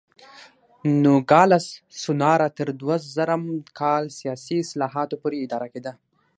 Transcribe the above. نوګالس سونورا تر دوه زره م کال سیاسي اصلاحاتو پورې اداره کېده.